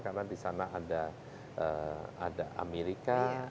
karena di sana ada amerika